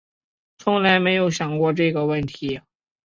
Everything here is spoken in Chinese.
从来没有想过这个问题